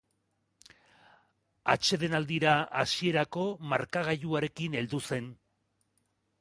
Atsedenaldira hasierako markagailuarekin heldu zen.